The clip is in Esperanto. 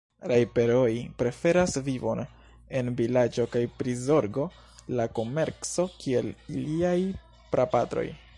Rajper-oj preferas vivon en vilaĝo kaj prizorgo la komerco kiel iliaj prapatroj.